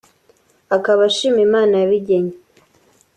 akaba ashima Imana yabigennye